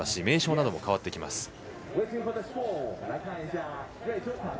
名称なども変わってきます。